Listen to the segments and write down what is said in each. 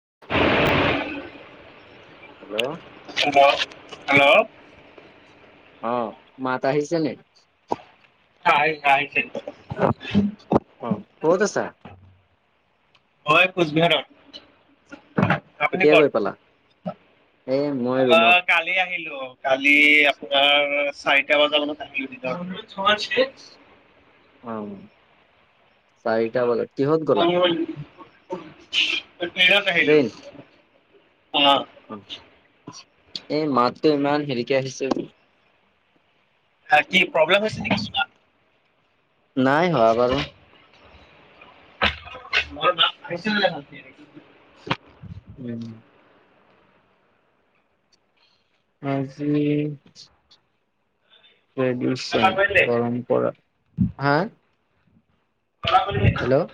[unintelligible] Hello hello অ মাত আহিছে নি কাৰেন নাই যে [unintelligible] অ, ক'ত আছা? মই কোচবিহাৰত আপুনি কেতিয়া গৈ পালা ক'ত এ মই ৰুমত কালি আহিলোঁ কালি আপোনাৰ চাৰিটা বজা মানত আহিলো নিজৰ সংস্কৃত অ চাৰিটা বজাত কিহত গ'লা তেনত আহিলোঁ ট্ৰেইন অ এই মাতটো ইমান হেৰিকে আহিছে বাকি প্ৰব্লেম হৈছে নেকি কিবা নাই হোৱা বাৰু ঘৰত ভাত খাইছে নাই উম আজি ট্ৰেডিচিয়ান ভালকে হেল্ল' পৰম্পৰা হা হেল্ল'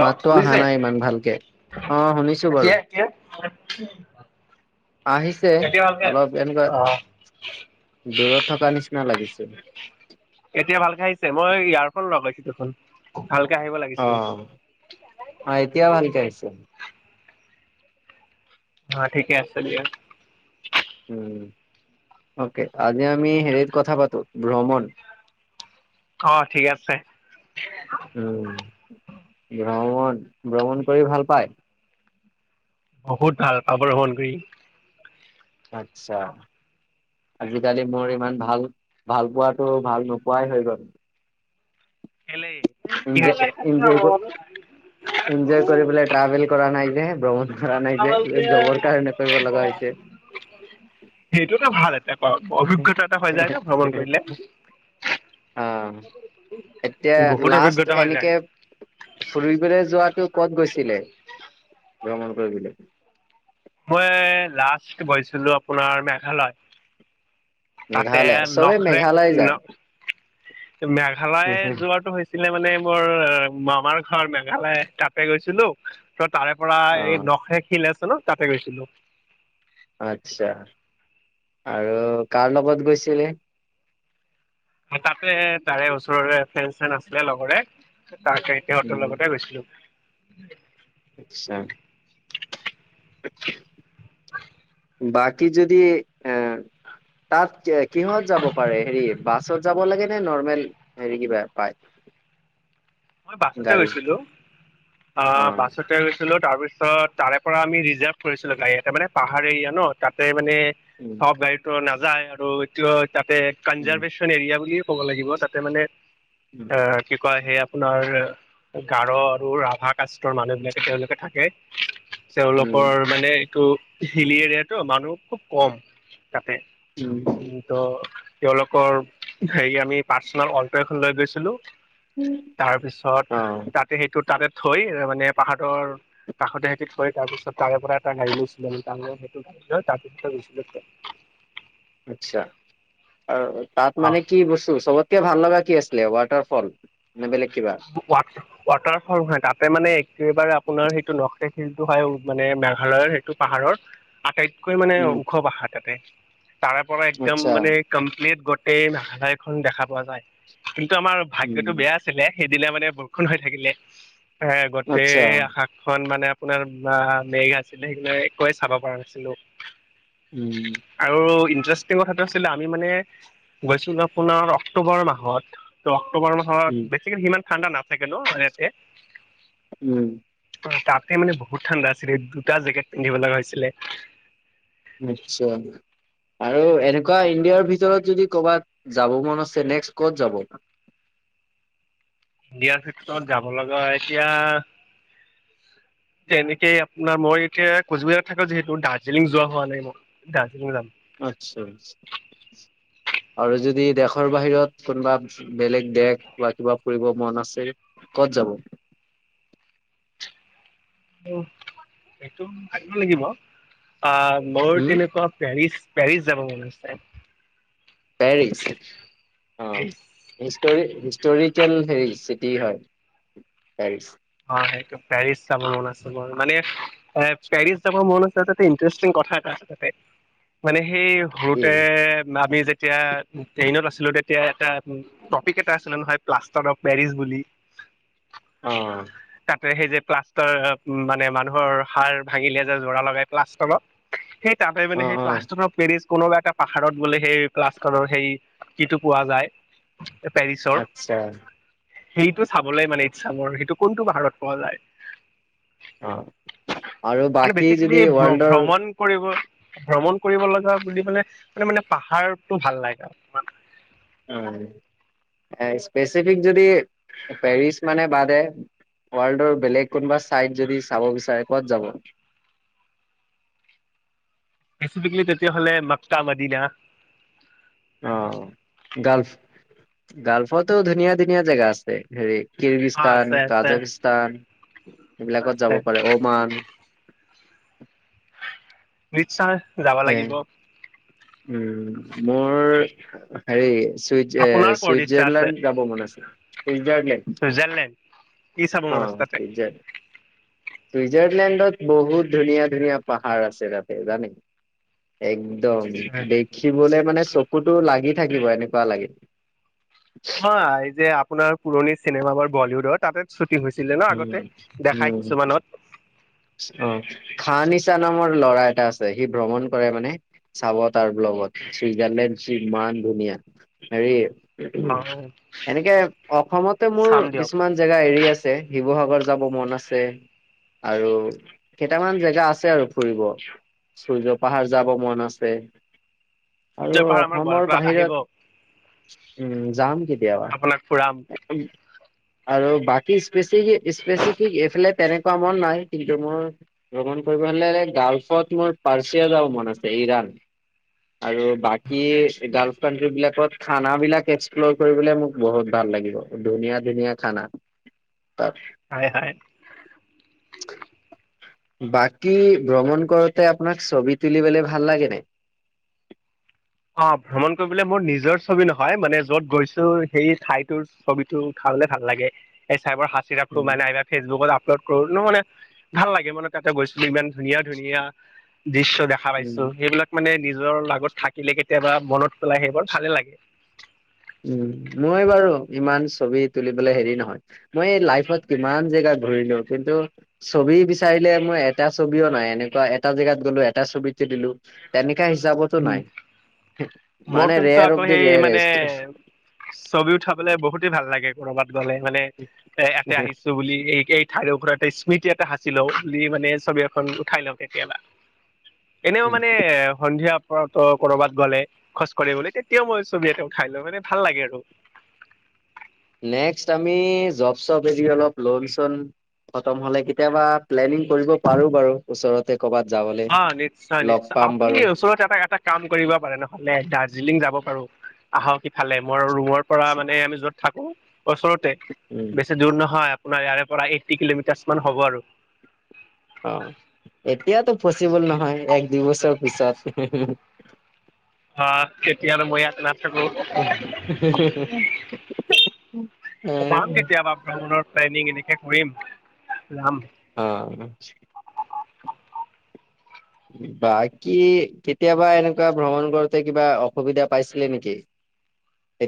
মাতটো অহা শুনিছে নাই ইমান ভালকে অ শুনিছো বাৰু এতিয়া এতিয়া [unintelligible] আহিছে এতিয়া ভালকে অলপ এনেকুৱা অ দূৰত থকা নিচিনা লাগিছে এতিয়া ভালকে আহিছে মই ইয়াৰফোন লগাইছিলোঁ চোন ভালকে আহিব অ লাগিছিলে অ এতিয়া ভালকে আহিছে অ ঠিকে আছে দিয়া উম অকে আজি আমি হেৰিত কথা পাতো ভ্ৰমণ অ ঠিক আছে উম ভ্ৰমণ ভ্ৰমণ কৰি ভাল পায় বহুত ভাল পাও ভ্ৰমণ কৰি আচ্ছা আজিকালি মোৰ ইমান ভাল ভাল পোৱাটো ভাল নোপোৱাই হৈ গ'ল কেলে কি এনজয় হৈছে? এনজয় এনজয় কৰিবলে ট্ৰেভেল কৰা নাই যে ভ্ৰমণ কৰা নাই যে জবৰ কাৰণে কৰিব লগা হৈছে [inaudible] সেইটো ত এ অভিজ্ঞতা এটা হৈ যায় ত ভ্ৰমণ কৰিলে অ এতিয়া বহুত লাষ্ট অভিজ্ঞতা হৈ যায়। এনেকে ফুৰিবলৈ যোৱাটো কত গৈছে। ভ্ৰমণ কৰিবলৈ মই লাষ্ট গৈছিলো আপোনাৰ মেঘালয়। তাতে মেঘালয়, চবে মেঘালয় নখৰেক যায়। ন মেঘালয় যোৱাটো হৈছিলে মানে মোৰ অ মামাৰ ঘৰ মেঘালয় তাতে গৈছিলো তাৰে পৰা এই অ', নখে খিল আছে ন তাতে গৈছিলো। আচ্ছা আৰু কাৰ লগত গৈছিলে? তাতে তাৰে ওচৰৰে ফেন চেন আছিলে লগৰে তাৰপিছত সিহঁতৰ উম, লগতে গৈছিলো। আচ্ছা বাকী যদি এ তাত কিহত যাব পাৰে হেৰি বাছত যাব লাগে নে নৰ্মেল হেৰি কিবা পায়। মই বাছতে গাড়ী গৈছিলো অ বাছতে গৈছিলো তাৰপিছত ত তাৰে পৰা আমি ৰিজাৰ্ভ কৰিছিলো গাড়ীতে মানে পাহাৰ এৰিয়া ন তাতে। মানে উম চব গাড়ীটো নাযায় আৰু এইটো তাতে উম কনজাৰ্ভেশ্যন এৰিয়া বুলি কব লাগিব তাতে মানে উম অ কি কয় সেয়া আপোনাৰ গাৰ আৰু ৰাভা কাষ্টৰ মানুহ বিলাকে তেওঁলোকে থাকে তেওঁলোকৰ মানে এইটো হিলি এৰিয়া ত মানুহ খুব কম তাতে উম তেওঁলোকৰ হেৰি আমি পাৰ্চনেল অল্টো এখন লৈ গৈছিলো। উম। অ তাৰপিছত তাতে সেইটো তাতে থৈ মানে পাহাৰৰ কাষতে সেতি থৈ কৰি তাৰ পিছত তাৰে পৰা এটা গাড়ী লৈছিলো আমি তাৰ সেইটো গাড়ী লৈ তাৰ পিছতে গৈছিলো আচ্ছা তাত মানে কি বস্তু চবতকে ভাল লগা কি আছে প্লে ৱাটাৰফল ৱাটাৰ ফল নহয় তাতে মানে এইবাৰ আপোনাৰ সেইটো নক শিলটো হয় মানে মেঘালয়ৰ সেইটো পাহাৰৰ আটাইত কৈ মানে উম ওখ পাহাৰ তাতে তাৰে পৰা একদম আচ্ছা মানে কমপ্লিট গোটেই হাজাইখন দেখা পোৱা যায়। কিন্তু আমাৰ উম ভাগ্যটো বেয়া আছিলে সেইদিনা মানে বৰষুণ হৈ থাকিলে। এ আচ্ছা গোটেই আকাশখন মানে আপোনাৰ বা মেঘ আছিলে সেই একোৱে চাব পৰা নাছিলো উম আৰু ইণ্টাৰেষ্টিং কথাটো আছিলে আমি মানে গৈছিলো আপোনাৰ অক্টোবৰ উম মাহত বেছিকে সিমান ঠাণ্ডা নাথাকে ন মানে তাতে উম তাতে মানে বহুত ঠাণ্ডা আছিলে দুটা জেকেট পিন্ধিব লগা হৈছিলে নিশ্চয় আৰু এনেকুৱা ইণ্ডিয়াৰ ভিতৰত যদি ক'ৰবাত যাব মন আছে নেক্স ক'ত যাব। [unintelligible] দিয়াৰ ক্ষেত্ৰত যাব লগা এতিয়া। [unintelligible] তেনেকে আপোনাৰ মই এতিয়া কোচবিহাৰত থাকো যিহেতু দাৰ্জিলিং যোৱা হোৱা নাই মই দাৰ্জিলিং যাম। আচ্ছা। আৰু যদি দেশৰ বাহিৰত কোনোবা বেলেগ দেশ বা কিবা ফুৰিব মন আছে। ক'ত যাব। সেইটো ভাবিব লাগিব আহ মোৰ হম তেনেকুৱা পেৰিচ। পেৰিছ যাব মন আছে। পেৰিছ অ পেৰিছ হিষ্টৰি হিষ্টৰি। কেল হেৰি চিটি হয় পেৰিচ। অ সেইটো পেৰিচ যাব মন আছে মোৰ মানে এ পেৰিছ যাব মন আছে যাতে ইণ্টাৰেষ্টিং কথা এটা আছে তাতে মানে সেই কি সৰুতে ভাবি যেতিয়া এতিয়া ট্ৰেইনত আছিলো তেতিয়া এটা টপিক এটা আছিলে নহয় প্লাষ্টাৰ অফ পেৰিছ বুলি অ তাতে সেই যে প্লাষ্টৰ মানে মানুহৰ সাৰ ভাঙিলে যে জোৰা লগাই প্লাষ্টৰত সেই তাতে মানে অ সেই অ প্লাষ্টাৰ অফ পেৰিছ কোনোবা এটা পাহাৰত গ'লে সেই প্লাষ্টাৰৰ সেই ইটো পোৱা যায়। পেৰিছৰ আচ্ছা। সেইটো চাবলৈ মানে ইচ্ছা মোৰ সেইটো কোনটো পাহাৰত পোৱা যায়। অ আৰু মানে বাকী যদি বেছিকেলি ৱৰ্ল্ডৰ ভ্ৰমণ কৰিব। ভ্ৰমণ কৰিব লগা বুলি কলে মানে মানে পাহাৰটো ভাল লাগে তাত। উ স্পেচিফিক যদি পেৰিচ মানে বাদে। ৱৰ্ল্ডৰ বেলেগ কোনোবা চাইট যদি চাব বিচাৰে ক'ত যাব। [unintelligible] স্পেচিফিকেলি তেতিয়া হ'লে মাক্কা মদিনা। অ গালফ গাল্ফতো ধুনীয়া ধুনীয়া জেগা আছে হেৰি। অ কিৰ্গিস্তান আছে আছে কাজাখিস্তান এইবিলাকত আছে যাব পাৰে অমান। নিশ্চয় যাব এ লাগিব। উম মোৰ হেৰি। চুই আপোনাৰ ক'ত ইচ্ছা আছে চুইজাৰলেণ্ড যাব মন আছে চুইজাৰলেণ্ড। চুইজাৰলেণ্ড কি চাব অ মন আছে তাতে চুইজাৰ। চুইজাৰলেণ্ডত বহুত ধুনীয়া ধুনীয়া পাহাৰ আছে তাতে জানে। একদম দেখিবলে মানে চকুটো লাগি থাকিব এনেকুৱা লাগে। হয় এই যে আপোনাৰ পুৰণি চিনেমা বোৰ বলিউডৰ তাতে। হৈছিলে ন উ আগতে উম দেখাই কিছুমানত অ ফা। নৰ ল'ৰা এটা আছে সি ভ্ৰমণ কৰে মানে চাব তাৰ ব্লগত চুইজাৰলেণ্ড কিমান। মান ধুনীয়া হেৰি। অ এনেকে অসমতে মোৰ চাম দিয়ক কিছুমান জেগা এৰি আছে। শিৱসাগৰ যাব মন আছে। আৰু কেইটামান জেগা আছে আৰু ফুৰিব। সূৰ্য পাহাৰ যাব মন আছে আৰু সূৰ্য পাহাৰ আমাৰ অসমৰ গোৱালপাৰাত আহিব বাহিৰত। উম যাম কেতিয়াবা আপোনাক ফুৰাম আৰু বাকী্ স্পেচিফি স্পেচিফিক এইফালে তেনেকুৱা মন নাই কিন্তু মোৰ ভ্ৰমণ কৰিব হলে। আলফত মোৰ পাৰ্চিয়া যাও মন আছে ইৰাণ। আৰু বাকী গাল্ফ কানট্ৰি বিলাকত খানাবিলাক এক্সপ্লৰ কৰিবলে মোক বহুত ভাল। ভাল লাগিব ধুনীয়া ধুনীয়া খানা তাৰিছত। হয় হয়। বাকী ভ্ৰমণ কৰোতে আপোনাক ছবি তুলিবলৈ ভাল লাগেনে [unintelligible] অ ভ্ৰমণ কৰিবলৈ মোৰ নিজৰ ছবি নহয় মানে যত গৈছো সেই ঠাইটোৰ ছবিটো ও ওঠাবলে ভাল লাগে [unintelligible] সাঁচি ৰাখো উম, মানে ফেচবুকত আপ্লুড কৰো নো মানে ভাল লাগে মানে তাতে গৈছিলো ইমান ধুনীয়া ধুনীয়া দৃশ্য দেখা উম, পাইছো, সেইবিলাক মানে নিজৰ লগত থাক কিলে কেতিয়াবা মনত পেলাই সেইবোৰ ভালে লাগে। উম মই বাৰু ইমান ছবি তুলিবলৈ হেৰি নহয় মই এই লাইফত কিমান জেগা ঘুৰিলো, কিন্তু ছবি বিচাৰিলে মই এটা ছবিও নাই এনেকুৱা এটা জেগাত গ'লো এটা ছবিত দিলো তেনেকা হিচাপতো নাই মোৰ মানে কিন্তু ৰেয়াৰ আকৌ অফ দা সেই মানে ৰেয়াষ্ট ছবি উঠাবলে বহুতে ভাল লাগে কৰবাত গলে মানে এ এয়াতে আহিছো বুলি এই এই ঠাইৰ ওৰততে স্মৃতি এটা সাঁচি লও বুলি মানে ছবি এখন উঠাই লওঁ কেতিয়াবা এনেও মানে সন্ধিয়া। ক'ৰবাত গ'লে খোজ কাঢ়িব লে তেতিয়াও মই ছবি এতে উঠাই লৈ মানে ভাল লাগে আৰু। নেক্সট আমি জব চব এৰি অলপ লোন চোন। খতম হলে কেতিয়াবা প্লেনিং কৰিব পাৰো বাৰু ওচৰতে। কৰ'বাত যাবলে। অ নিশ্চয় লগ নিশ্চয় পাম আপুনি বাৰু ওচৰত এটা এটা কাম কৰিব পাৰে নহলে দাৰ্জিলিং যাব। বাৰ আহক ইফালে মই ৰুমৰ পৰা মানে আমি যত থাকো। ওচৰতে, উম, বেছি দূৰ নহয় আপোনাৰ ইয়াৰে পৰা এইটি কিলোমিটাৰ্চ মান হ'ব আৰু। অ এতিয়াতো পচিবল নহয় এক দুই বছৰ পিছত হা তেতিয়া আৰু মই ইয়াত নাথাকো যাম কেতিয়াবা ভ্ৰমণৰ প্লেনিং এনেকে কৰিম যাম অ [unintelligible] বাকী কেতিয়াবা এনেকুৱা ভ্ৰমণ কৰোতে কিবা অসুবিধা পাইছিলে নেকি?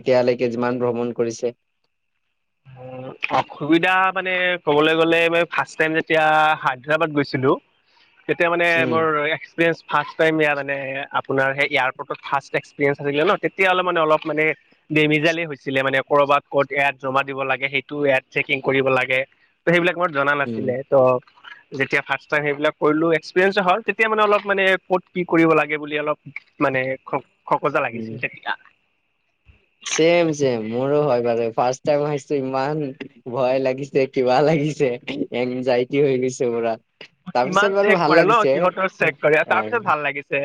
এতিয়ালৈকে যিমান ভ্ৰমণ কৰিছে অসুবিধা মানে ক'বলৈ গলে মই ফাৰ্ষ্ট টাইম যেতিয়া হায়দৰাবাদ গৈছিলো তেতিয়া মানে উম, মোৰ এক্সপিৰিয়েঞ্চ ফাৰ্ষ্ট টাইম ইয়াৰ মানে আপোনাৰ এয়াৰপৰ্টত ফাৰ্ষ্ট এক্সপিৰিয়েঞ্চ আছিলে ন তেতিয়া হলে মানে অলপ মানে ডেমিজালেই হৈছিলে মানে ক'ৰবাত ক'ত ইয়াত জমাত দিব লাগে সেইটো ইয়াত চেকিং কৰিব লাগে ত সেইবিলাক মোৰ জনা উম, নাছিলে ত' যেতিয়া ফাৰ্ষ্ট টাইম সেইবিলাক কৰিলো এক্সপৰিয়েঞ্চ তেতিয়া মানে অলপ মানে ক'ত কি কৰিব লাগে বুলি অলপ মানে খ খকজা লাগিছিল তেতিয়া চম চেম চেম, মোৰো হয় ব ফাৰ্ষ্ট টাইম আহিছো ইমান ভয় লাগিছে কিবা লাগি এনজাইটি হৈ গৈছে পুৰা। কিমান তাৰপিছত বাৰু চেক ভাল কৰে ন লাগিছে, সিহঁতৰ চেক কৰে তাৰ পিছত আহ ভাল লাগিছে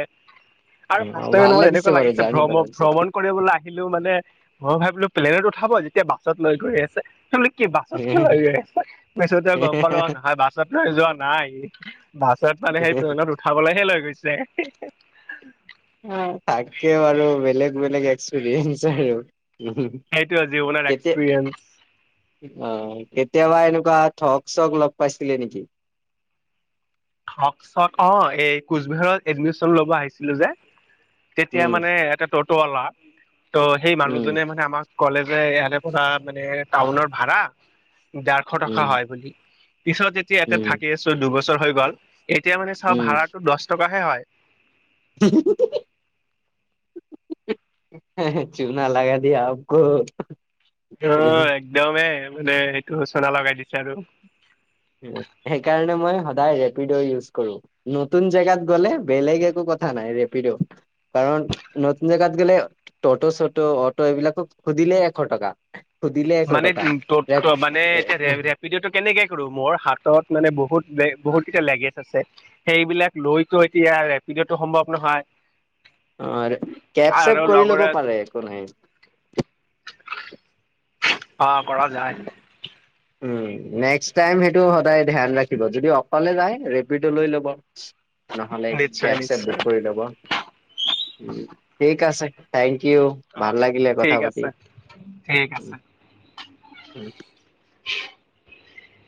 আৰু ফাৰ্ষ্ট টাইম ত এনেকুৱা বাৰু লাগিছে জাৰ্ণি কৰাৰ ভ্ৰমণ পিছত। ভ্ৰমণ কৰিবলৈ আহিলো মানে মই ভাবিলো প্লেনত উঠাব যেতিয়া বাছত লৈ গৈ আছে কি বাছত কেলে লৈ গৈ আছে, পিছতে গম পালো নহয় বাছত লৈ যোৱা নাই বাছত মানে সেই ট্ৰেইনত উঠাবলৈহে লৈ গৈছে তাকেও আৰু বেলেগ বেলেগ এক্সপৰিয়েঞ্চ আৰু উ সেইটোৱে জীৱনৰ এক্সপিৰিয়েঞ্চ কেতিয়া অ কেতিয়াবা এনেকুৱা ঠগ চক লগ পাইছিলি নেকি? থক চক অ এই কোচবিহাৰত এডমিশন লব আহিছিলো যে তেতিয়া উম, মানে এটা টতৱালা ত' সেই উম, মানুহজনে মানে আমাক কলেজে ইয়াতে পৰা মানে টাউনৰ ভাড়া ডেৰশ টকা উম, হয় বুলি পিছত যেতিয়া ইয়াতে উম, থাকি আছো দুবছৰ হৈ গ'ল এতিয়া মানে চাও উম ভাড়াটো দহ টকা হে হয় [unintelligible] চুনা লগ দিয়ে আক অ' একদমেই মানে সেইটো চুনা লগাই দিছে আৰু। সেইকাৰণে মই সদায় ৰেপিড ইউজ কৰো। নতুন জেগাত গ'লে বেলেগ একো ৰেপিড কাৰণ নতুন জেগাত গ'লে তত চত অট এইবিলাকো দিলে এশ টকা। সুধিলে এশ মানে টকা। উ ত ৰেপ মানে এতিয়া ৰেপিডঅটো কেনেকে কৰো? মোৰ হাতত মানে বহুত বহুতকেইটা লেগেজ আছে। সেইবিলাক লৈতো এতিয়া ৰেপিডত সম্ভৱ নহয়। অ' কেব চেব আৰু কৰি ল'ব লগৰে পাৰে একো নাই। অ' কৰা যায়। নেক্সট টাইম সেইটো সদায় ধ্যান ৰাখিব। যদি অকলে যায় ৰেপিডঅ লৈ ল'ব। নহ'লে নিশ্চয় কেব ছেব বুক নিশ্চয় কৰি লব উ ঠিক আছে। ও ভাল অ' লাগিলে কথা ঠিক পাতি। আছে ঠিক আছে। হম। [unintelligible]